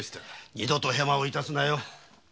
二度とヘマをいたすなよ。